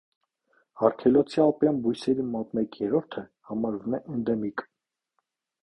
Արգելոցի ալպյան բույսերի մոտ մեկ երրորդը համարվում է էնդեմիկ։